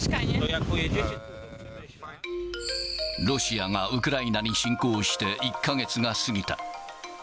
ロシアがウクライナに侵攻して１か月が過ぎた。